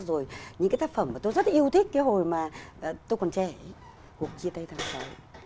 rồi những cái tác phẩm mà tôi rất yêu thích cái hồi mà tôi còn trẻ cuộc chia tay tháng sáu